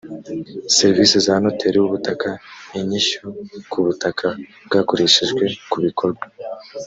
serivisi za noteri w ubutaka inyishyu ku butaka bwakoreshejwe ku bikorwa